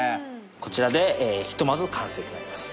こちらでひとまず完成となります